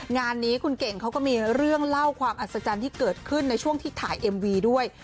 งานนี้คุณเก่งเขาก็มีเรื่องเล่าความอัศจรรย์ที่เกิดขึ้นในช่วงที่ถ่ายเอ็มวีด้วย